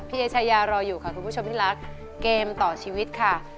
เอชายารออยู่ค่ะคุณผู้ชมที่รักเกมต่อชีวิตค่ะ